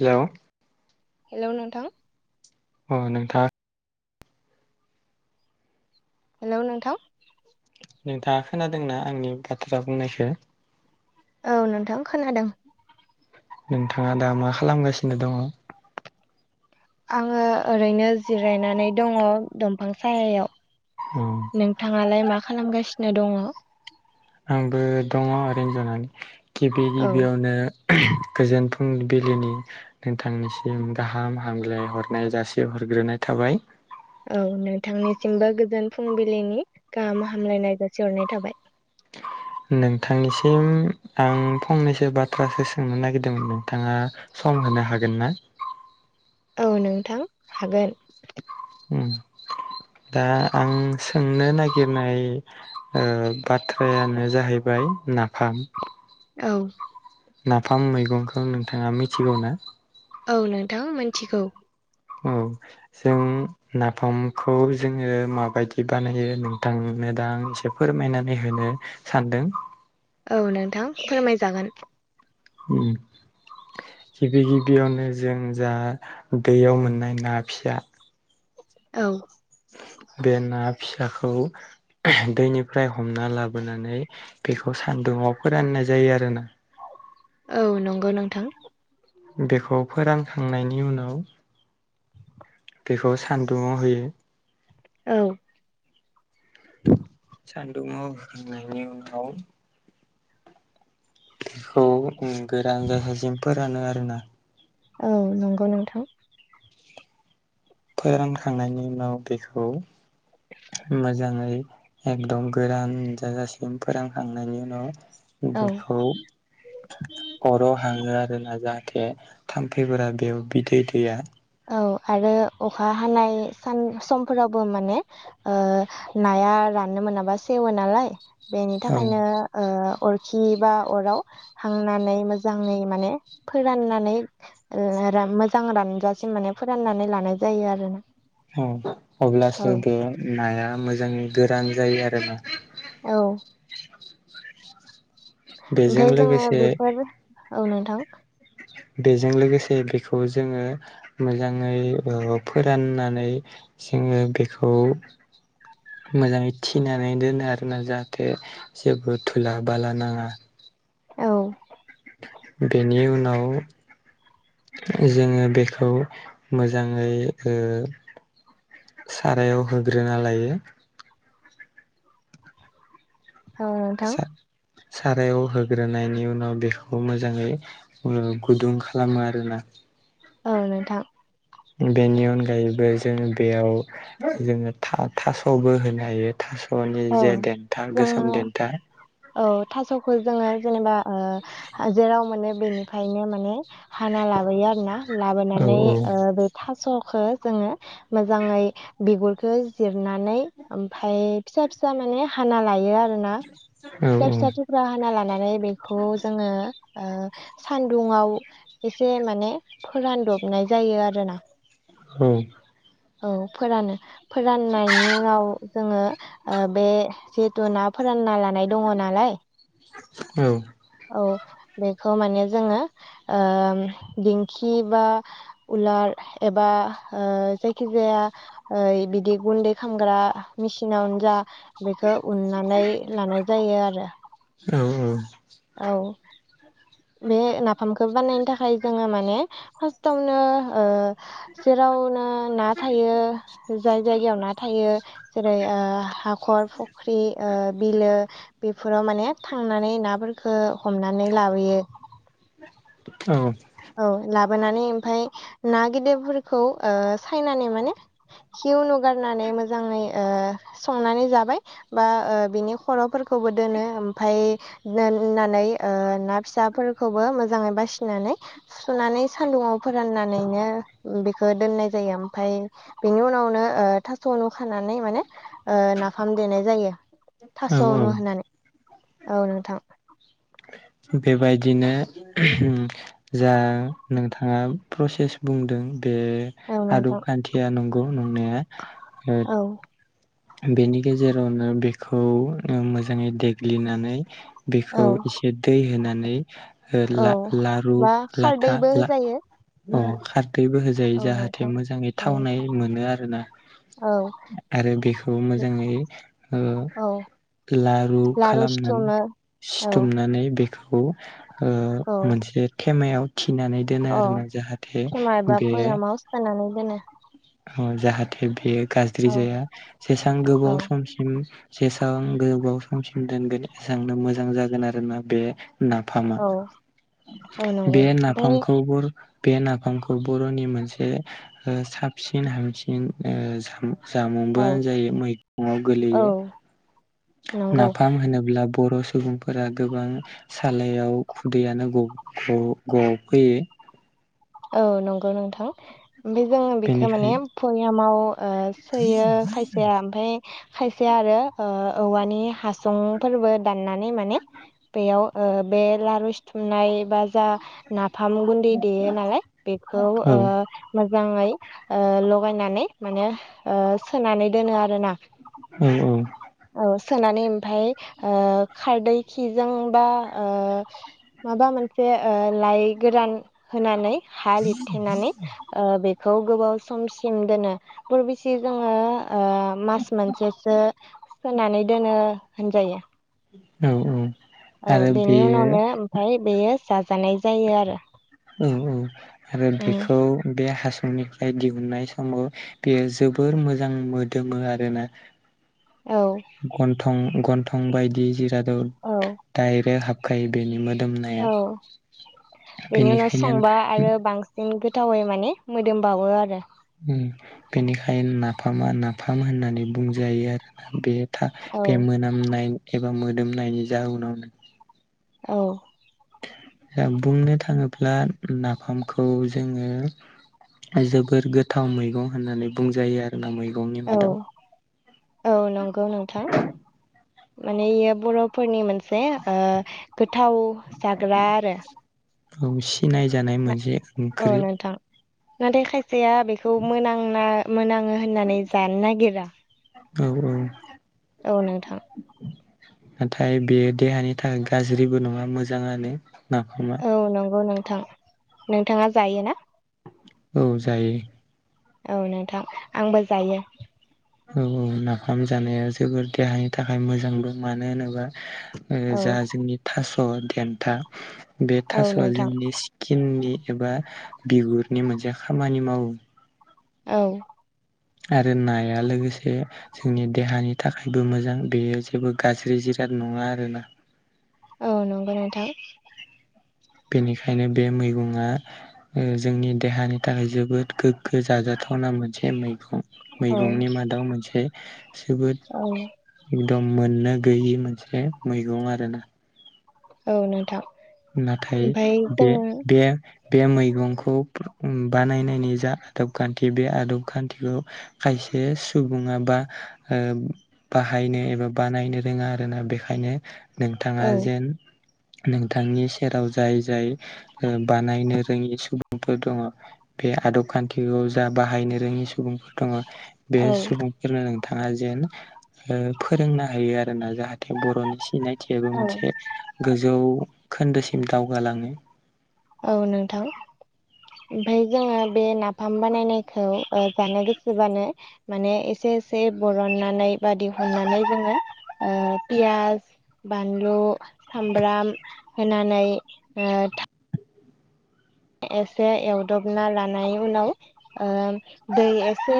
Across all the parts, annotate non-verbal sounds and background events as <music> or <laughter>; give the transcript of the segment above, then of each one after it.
Hello hello नोंथां अ नोंथाङा हेलौ नोंथां नोंथाङा खोनादोंना आंनि बाथ्रा बुंनायखौ? औ नोंथां खोनादों। नोंथाङा दा मा खालामगासिनो दङ? आङो ओरैनो जिरायनानै दङ दंफां सायायाव। नोंथाङालाय मा खालामगासिनो दङ? आंबो दङ ओरैनो जनानै। गिबि औ गिबियावनो गोजोन फुंबिलिनि नोंथांनिसिम गाहाम हामग्लाय हरनाय जासि हरग्रोनाय थाबाय। औ नोंथांनिसिमबो गोजोन फुंबिलिनि गाहाम हामलायनायखौ सहरनाय थाबाय। नोंथांनिसिम आं फंनैसो बाथ्रासो सोंनो नागिरदोंमोन नोंथाङा सम होनो हागोन ना? औ नोंथां हागोन। दा आं सोंनो नागिरनाय बाथ्रायानो जाहैबाय नाफाम। औ नाफाम मैगंखौ नोंथाङा मिथिगौ ना? औ नोंथां मिथिगौ। औ जों नाफामखौ जोङो माबायदि बानायो नोंथां नों दा आंनो एसे फोरमायनानै होनो सानदों। औ नोंथां फोरमायजागोन। ओम। गिबि गिबियावनो जों जा दैयाव मोननाय ना फिसा औ बे ना फिसाखौ दैनिफ्राय हमना लाबोनानै बेखौ सान्दुंआव फोराननाय जायो आरोना। औ नंगौ नोंथां। बेखौ फोरानखांनायनि उनाव बेखौ सान्दुङआव होयो। औ सान्दुुंङआव होननायनि उनाव बेखौ गोरान जाखासिम फोरानो आरोना। औ नंगौ नोंथां। फोरानखांनायनि उनाव बेखौ मोजाङै एकदम गोरान जाजासिम फोरानखांनायनि उनाव औ बेखौ अराव हाङो आरोना जाहाथे थाम्फैफोरा बेआव बिदै दैया। औ आरो अखा हानाय सान समफोरावबो माने नाया राननो मोनाबा सेवो नालाय बेनि औ थाखायनो ओ अरखि बा अराव हांनानै मोजाङै माने फोराननानै मोजां रानजासिम माने फोराननानै लानाय जायो आरोना। औ औ अब्लासो बे नाया मोजाङै गोरान जायो आरोना। औ बेजों ओमफाय जोङो लोगोसे बेफोर औ नोंथां। बेजों लोगोसे बेखौ जोङो मोजाङै ओ फोराननानै जोङो बेखौ मोजाङै थिनानै दोनो आरोना जाहाथे जेबो थुला बाला नाङा। औ। बेनि उनाव जोङो बेखौ मोजाङै ओ सारायाव होग्रोना लायो औ नोंथां सा सारायाव होग्रोनायनि उनाव बेखौ मोजाङै उलु गुदुं खालामो आरोना। औ नोंथां। बेनि अनगायैबो जोङो बेयाव जोङो था थास'बो होनो हायो। थास'नि औ जे देन्था गोसोम जोङो देन्था औ थास'खौ जोङो जेनेबा ओ हा जेराव मोनो बेनिफ्रायनो माने हाना लाबोयो आरो ना, औ लाबोनानै ओ बे थास'खौ जोङो मोजाङै बिगुरखौ जिरनानै ओमफाय फिसा फिसा माने हाना लायो आरोना, औ फिसा फिसाथ' फुरा हाना लानानै बेखौ जोङो सानदुङाव एसे माने फोरान दबनाय जायो आरोना। औ। औ फोरानो फोराननायनि उनाव जोङो ओ बे जिहेथु ना फोरानना लानाय दङ नालाय। औ। औ बेखौ माने जोङो ओ दिंखि बा उलार एबा ओ जायखिजाया ओ बिदि गुन्दै खालामग्रा मेचिनावनो जा बेखौ उन्नानै लानाय जायो आरो। औ औ। औ। बे नाफामखौ बानायनो थाखाय जोङो माने फार्स्टावनो ओ जेरावनो ना थायो जाय जायगायाव ना थायो जेरै ओ हाखर फुख्रि ओ बिलो बेफोराव माने थांनानै नाफोरफोरखौ हमनानै लाबोयो। औ। औ लाबोनानै ओमफाय ना गिदिरफोरखौ ओ सायनानि माने खि उनुगारनानै मोजाङै ओ संनानै जाबाय। बा ओ बिनि खर'फोरखौबो दोनो ओमफाय दोननानै ओ ना फिसाफोरखौबो मोजाङै बासिनानै सुुनानै सान्दुङाव फोराननानैनो बेखौ दोननाय जायो, ओमफाय बेनि उनावनो ओ थास'ल' खानानै माने नाफाम देनाय जायो। औ औ थास'नु होननानै औ नोंथां। बेबायदिनो उहूम जा नोंथाङा प्रसेस बुंदों बे औ आदब नोंथां खान्थिया नंगौ नंनाया ओ औ बेनि गेजेरावनो बेखौ ओ मोजाङै देग्लिनानै औ बेखौ एसे दै होनानै ओ औ ला लारु बा लाथा खारदैबो ला होजायो अ हाथबो हो औ जाहाथे नोंथां मोजाङै औ थावनाय मोनो आरोना, औ आरो बेखौ थ मोजाङै ओ औ लारु लारु खालामनानै सिथुमो औ सिथुमनानै बेखौ औ मोनसे ेमायाव थिनानै दोनो औ आरो ना जाहाथे थेमा एबा बे <unintelligible> दोनो जाहाथे बेयो गाज्रि औ जाया जेसबां औ गोबाव सम जेसेबां गोबाव समसिम दोनगोन एसबांनो मोजां जागोन आरो ना बे नाफामा, औ औ बे नंगौ ओमफ्राय नाफामखौबो बे नाफामखौ बर'नि मोनसे साबसिन हामसिनाम‌ औ जामुंबोानो जायो मैगङाव औ गोलैयो नंगौ नाफाम होनोब्ला बर' सुबुंफोर फोरा गोबां सालायाव खुदैयानो ग ग गफैयो औ नंगौ नोंथां ओमफ्राय जोङो बेखौ माने बेनिखाय पययामाव ओ सोयो खायसेया ओमफाय खायसे आरो ओ औवानि हासंफोरबो दाननानै माने बेयाव ओ बे लारु सिथुमनाय बा जा नाफाम गुन्दै देयो नालाय बेखौ औ ओ मोजाङै ओ लगायनानै माने ओ सोनानै दोनो आरोना औ औ औ सोनानै ओमफाय ओ खारदै खिजों बा ओ माबा मोनसे ओ लाइ गोरान होनानै हा लिरथेनानै ओ बेखौ गोबाव समसिम दोनो परबिसि जोङो ओ मास मोनसेसो सोनानै दोनो होनजायो औ औ औ आरो बेनि बेयो उनावनो ओमफाय बेयो जाजानाय जायो आरो औ आरो उम बेखौ बे हास'नि <unintelligible> दिहुननाय समाव बेयो जोबोर मोजां मोदोमो आरोना औ गन्थं बायदि जिराद औ दाइरेक हा खाय बेनि मोदोमनाया औ बेनि उनाव बेनिखायनो संबा आरो बांसिन गोथावै माने मोदोम बावो आरो बेनिखायनो नाफामा नाफाम होननानै बुंजायो आरोोना बे था औ बे मोनामनाय एबा मोदोमनायनि जाउनावनो औ द बुंनो थाङोब्ला नाफामखौ जोङो जोबोर गोथाव मैगं होननानै बुंजायो आरोना मैगंनि औ मादाव औ नंगौ नोंथां माने इयो बर'फोरनि मोनसे ओ गोथाव जाग्रा आरो औ सिनाय जानाय मोनसे औ ओंख्रि नोंथां नाथाय खायसेया बेखौ मोनांना मोन आङो होननानै जानो नागिरा औ औ औ नोंथां नाथाय बेयो देहानि थाखाय गाज्रिबो नङा मोजाङानो नाफामा औ नंगौ नोंथां नोंथाङा जायो ना? औ जायो। औ नोंथां आंबो जायो औ औ नाफाम जानाया जोबोर देहानि थाखाय मोजां दं मानो होनोबा ओ औ जा जोंनि थास' देन्था बे औ थास'आ नोंथां जोंनि सि किन्नि एबा बिगुरनि मोनसे खामानि मावो। औ आरो नाया लोगोसे जोंनि देहानि थाखायबो मोजां बेयो जेबो गाज्रि जिराद नङा आरोना औ नंगौ नोंथां बेनिखायनो बे मैगंआ जोंनि देहानि थाखाय जोबोद गोग्गो जाजाथावना मोनसे मैगं औ मैगंनि मादाव मोनसे जोबोद औ एकदम मोननो गैयि मोनसे मैगं आरो ना औ नोंथां नाथाय ओमफ्राय बे जोङो बे बे मैगंखौ बानायनायनि जा आदब खान्थि बे आदब खान्थिखौ खायसे सुबुङा बा ओ बाहायनो एबा बानायनो रोङा आरोना बेखायनो नोंथाङा औ जेन बिथांनि सेराव जाय जाय ओ बानायनो रोङि सुबुंफोर दङ बे आदब खान्थिखौ जा बाहायनो रोङि सुबुंफोर दङ बे औ सुबुं फोरनो नोंथाङा जेन ओ फोरोंना होयो आरो ना जाहाथे बर'नि सिनाय खान्थियाबो औ मोनसे गोजौ खोन्दोसिम दावगालाङो औ नोंथां। ओमफाय जोङो बे नाफाम बानायनायखौ जानो गोसोबानो माने एसे एसे बरननानै बा दिहुननानै जोङो पियाज बानलु सामब्राम होनानै ओ एसे एवदबना लानाय उनाव ओ दै एसे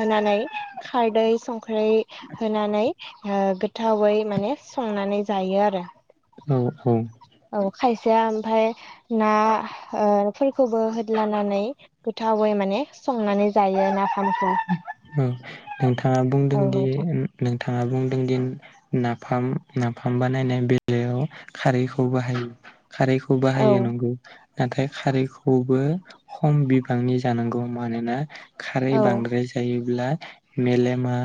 होनानै खारदै संख्रै होनानै ओ गोथावै माने संनानै जायो आरो। औ औ औ खायसेया ओमफाय ना ओ फोरखौबो होदलानानै गोथावै माने संनानै जायो नाफामखौ औ नोंथाङा बुंदों औ दि नोंथां नोंथाङा बुंदोंदि नाफाम नाफाम बानायनाय बेलायाव खारैखौ बाहायो। खारैखौ औ बाहायो नोंगौ। नाथाय खारैखौबो खम बिबांनि जानांगौ मानोना खारै औ बांद्राय जायोब्ला मेलेमा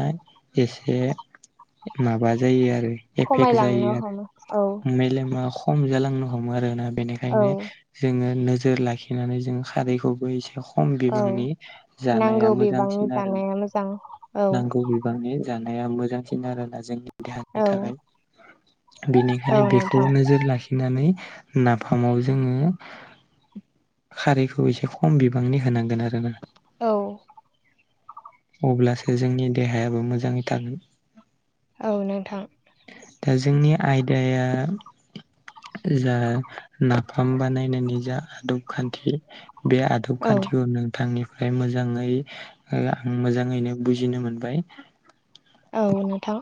एसे माबा जायो आरो एफेक्ट खमायलांनो जायो हमो औ आरो मेलेमा ख कम जालांनो हमो आरोना औ बेनिखायनो जोङो नोजोर लाखिनानै जोङो खारैखौबो एसे खम औ बिबांनि जानाया नांगौ मोजांसि बिबांनि आरो जानाया मोजां औ नांगौ बिबांनि जानाया मोजांसिन आरोोयना जोंनि देहानि औ थाखाय औ बेनिखायनो बेखौ नोंथां नोजोर लाखि निनै नाफामाव जोङो खारैखौ एसे खम बिबांनि होनांगोन आरोना। औ अब्लासो जोंनि देहायाबो मोजाङै थागोन। औ नोंथां। दा जोंनि आयदाया जा नाफाम बानायनायनि जा आदब खान्थि बे आ दब औ खान्थिखौ नोंथांनिफ्राय मोजाङै आं मोजाङैनो बुजिनो मोनबाय। औ नोंथां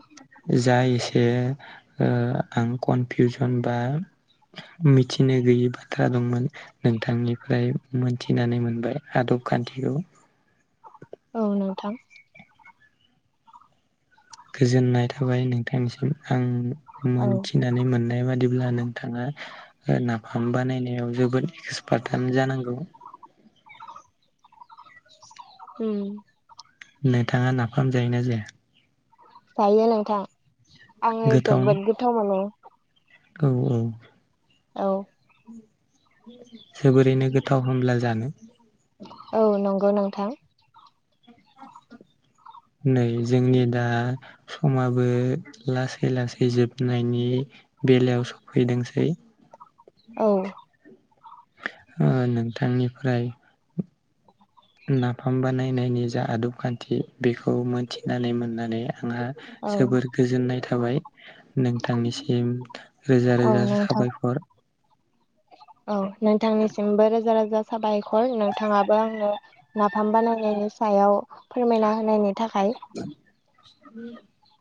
जा एसे ओ आं कनफिउजन बा मिथिनो गैयि बाथ्रा दंमोन। नोंथांनिफ्राय मोनथिनानै मोनबाय आदब खान्थिखौ औ नोंथां। गोजोननाय थाबाय नोंथांनिसिम आं औ मोनथि नानै मोननाय बादिब्ला नोंथाङा नाफाम बानायनायाव जोबोद एक्सपार्टआनो जानांगौ। उम नोंथाङा नाफाम जायोना जाया? जायो नोंथां आङो गोथाव जोबोद गोथाव मोनो। औ औ औ जोबोरैनो गोथाव होमब्ला जानो। औ नंगौ नोंथां। नै जोंनि दा समाबो लासै लासै जोबनायनि बेलायाव सफैदोंसै औ। ओ नोंथांनिफ्राय नाफाम बानायनायनि जा आदब खान्थि बेखौ मोनथिनानै मोननानै आंहा औ जोबोर गोजोननाय थाबाय नोंथांनिसिम रोजा औ रोजा नोंथां साबायखर। औ नोंथांनिसिमबो रोजा रोजा साबायखर नोंथाङाबो आंनो नाफाम बानायनायनि सायाव फोरमायना होनायनि थाखाय। <unintelligible>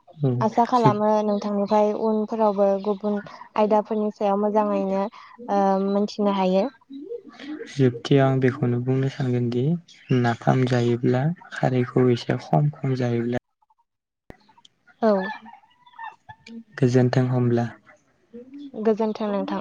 आसा जोबथियाव खालामो नोंथांनिफ्राय उनफोरावबो गुबुन आयदाफोरनि सायाव मोजाङैनो ओ मोनथिनो हायो। जोबथि आं बेखौनो बुंनो सानगोन दि नाफाम जायोब्ला खारैखौ एसे खम खम जायोब्ला औ। गोजोन्थों हमब्ला। गोजोन्थों नोंथां।